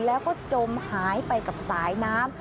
แล้วก็จมหายไปกับสายน้ำ